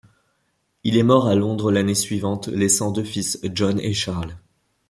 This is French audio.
Il est mort à Londres l'année suivante, laissant deux fils, John et Charles.